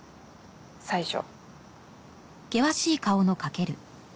最初。